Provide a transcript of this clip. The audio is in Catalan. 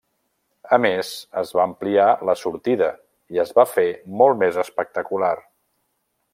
A més, es va ampliar la sortida i es va fer molt més espectacular.